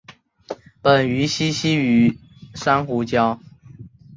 本鱼栖息于珊瑚礁。